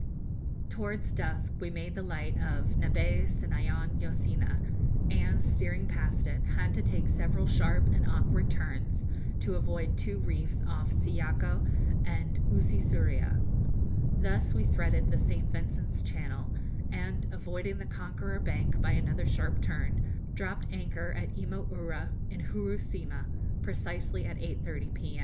Towards dusk we made the light of Nabae Sinaon Yo Sina, and, steering past it, had to take several sharp and awkward turns, to avoid two reefs off Siyako and Usi Suria. Thus we threaded the St. Vincent's Channel, and, avoiding the Conqueror bank by another sharp turn, dropped anchor at Imo Ura, in Hurusima, precisely at 8.30 p.